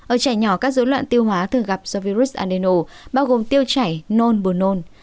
ở trẻ nhỏ các dấu luận tiêu hóa thường gặp do virus adeno bao gồm tiêu chảy nôn bồ nôn